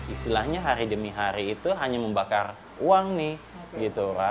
istilahnya hari demi hari itu hanya membakar uang nih gitu